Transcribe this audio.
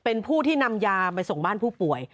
เป็นผู้ที่นำยาไปส่งบ้านผู้ป่วย